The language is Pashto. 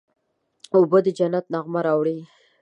اوبه د جنت نغمه راوړي.